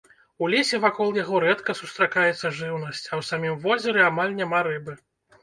У лесе вакол яго рэдка сустракаецца жыўнасць, а ў самім возеры амаль няма рыбы.